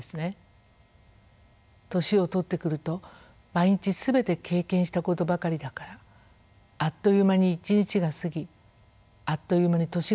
年を取ってくると毎日全て経験したことばかりだからあっという間に一日が過ぎあっという間に年が暮れる。